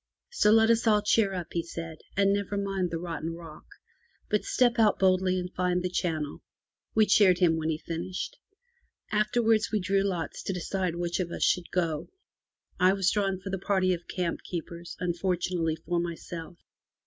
So let us all cheer up, he said, and never mind the rotten rock, but step out boldly and find the channel. We cheered him when he finished. Afterwards we drew lots to decide which of us should go. I was drawn for the party of camp keepers, unfortunately for myself.